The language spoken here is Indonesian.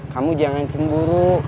kamu jangan cemburu